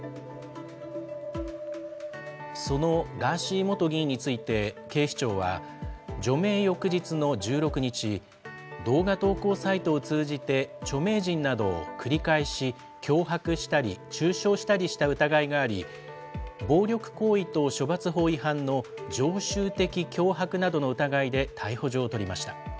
そのガーシー元議員について、警視庁は、除名翌日の１６日、動画投稿サイトを通じて著名人などを繰り返し脅迫したり、中傷したりした疑いがあり、暴力行為等処罰法違反の常習的脅迫などの疑いで逮捕状を取りました。